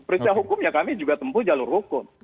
periksa hukum ya kami juga tempuh jalur hukum